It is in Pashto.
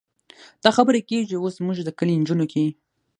دا خبرې کېږي اوس زموږ د کلي نجونو کې.